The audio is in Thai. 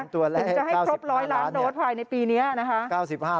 ตัวเลขจะให้ครบ๑๐๐ล้านโดสภายในปีนี้นะคะ